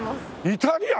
イタリア！？